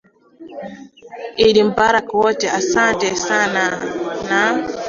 idd mubarak wote asante sana na